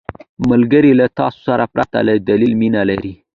ملګری له تا سره پرته له دلیل مینه لري